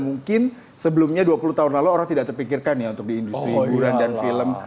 mungkin sebelumnya dua puluh tahun lalu orang tidak terpikirkan ya untuk di industri hiburan dan film